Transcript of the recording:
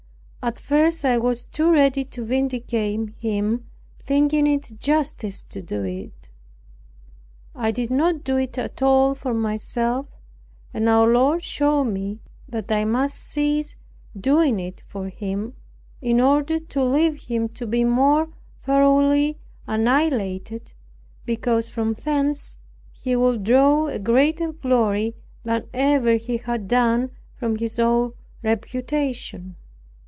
At first I was too ready to vindicate him, thinking it justice to do it. I did not do it at all for myself; and our Lord showed me that I must cease doing it for him, in order to leave him to be more thoroughly annihilated; because from thence he would draw a greater glory, than ever he had done from his own reputation.